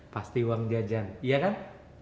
pasti uang jajan iya kan